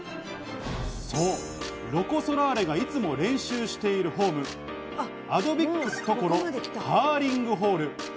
ロコ・ソラーレがいつも練習しているホーム、アドヴィックス常呂カーリングホール。